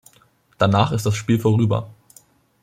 Danach ist das Spiel vorüber.